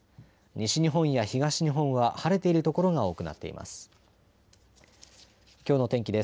西日本や東日本は晴れている所が多くなっています。